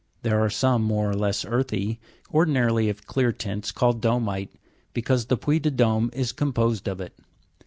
There are some, more or less earthy, ordinarily of clear tints, called domi'te, because the Puy de Dome is composed of it.